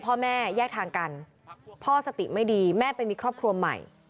พ่อแม่แยกทางกันพ่อสติไม่ดีแม่ไปมีครอบครัวใหม่